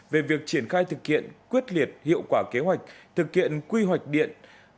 về việc triển khai thực hiện quyết liệt hiệu quả kế hoạch thực hiện quy hoạch điện